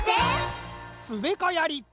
つべかやり！